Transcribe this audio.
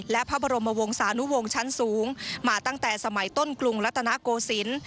และพระบรมวงศานุวงศ์ชั้นสูงมาตั้งแต่สมัยต้นกรุงรัฐนาโกศิลป์